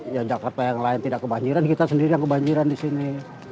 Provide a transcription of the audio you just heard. yang jakarta yang lain tidak kebanjiran kita sendiri yang kebanjiran di sini